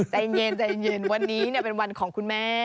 ใจเย็นวันนี้เป็นวันของคุณแม่